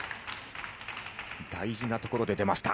大事なところで出ました。